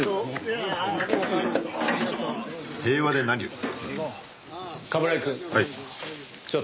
はい。